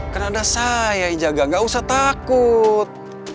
karena ada saya yang jaga gak usah takut